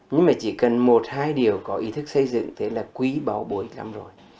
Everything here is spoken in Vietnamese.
nhưng mà chỉ cần một hai điều có ý thức xây dựng thế là quý báu bối lắm rồi